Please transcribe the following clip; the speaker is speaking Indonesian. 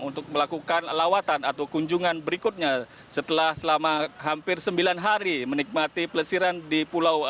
untuk melakukan lawatan atau kunjungan berikutnya setelah selama hampir sembilan hari menikmati pelesiran di pulau